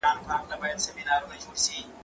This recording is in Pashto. که وخت وي، ږغ اورم،